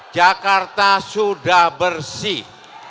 jakarta sudah bersih